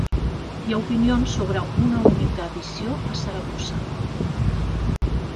Hi ha opinions sobre una única edició a Saragossa.